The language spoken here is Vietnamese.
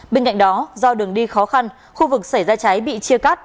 bên cạnh đó do đường đi khó khăn khu vực xảy ra cháy bị chia cắt